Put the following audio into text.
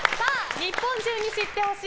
日本中に知って欲しい！